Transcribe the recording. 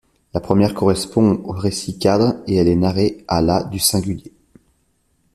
La première correspond au récit-cadre et elle est narrée à la du singulier.